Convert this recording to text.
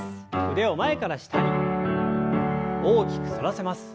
腕を前から下に大きく反らせます。